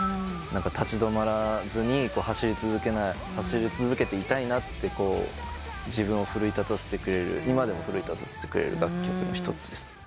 立ち止まらずに走り続けていたいなって自分を今でも奮い立たせてくれる楽曲の一つです。